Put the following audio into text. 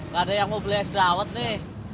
gaada yang mau beli es drawet nih